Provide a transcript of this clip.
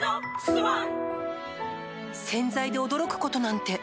洗剤で驚くことなんて